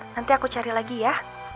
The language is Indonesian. nanti aku cari lagi ya